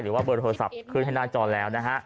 หรือว่าเบอร์โทรศัพท์คืนให้หน้าจอแล้วนะฮะ